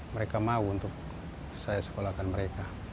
mereka mau untuk saya sekolahkan mereka